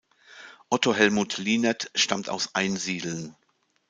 Otto Hellmut Lienert stammt aus Einsiedeln.